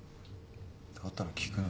だったら聞くなよ。